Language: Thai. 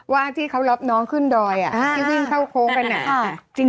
ว่าที่เขารับน้องขึ้นดอยที่วิ่งเข้าโค้งกัน